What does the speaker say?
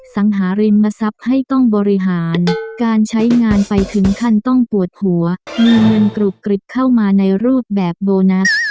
สังหาริมทรัพย์ให้ต้องบริหารการใช้งานไปถึงขั้นต้องปวดหัวมีเงินกรุบกริบเข้ามาในรูปแบบโบนัส